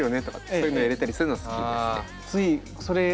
そういうのを入れたりするのが好きですね。